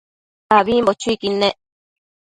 ambimbo chuiquid nec